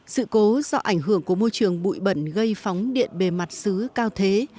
sự cố do ảnh hưởng của môi trường bụi bẩn gây phóng điện bề mặt xứ cao thế